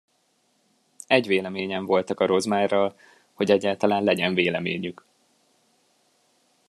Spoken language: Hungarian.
Egy véleményen voltak a rozmárral, hogy egyáltalán legyen véleményük.